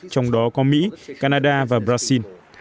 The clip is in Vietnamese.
trong đó có mỹ canada và brazil